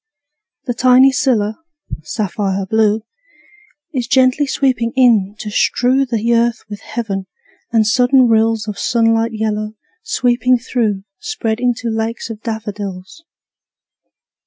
The tiny scilla, sapphire blue, Is gently sweeping in, to strew The earth with heaven; and sudden rills Of sunlit yellow, sweeping through, Spread into lakes of daffodils.